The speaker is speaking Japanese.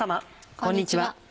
こんにちは。